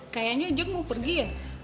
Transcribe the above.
kayaknya ujek mau pergi ya